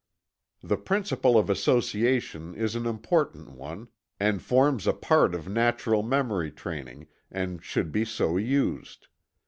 The principle of Association is an important one, and forms a part of natural memory training, and should be so used.